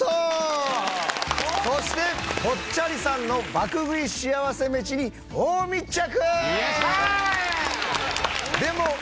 「そしてぽっちゃりさんの爆食いしあわせ飯に大密着！」